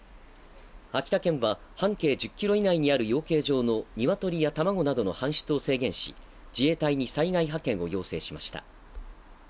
秋田県は半径１０ｋｍ以内にある養鶏場の鶏や卵などの搬出を制限し自衛隊に災害派遣を要請しました。